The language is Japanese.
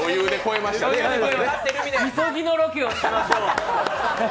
みそぎのロケをしましょう。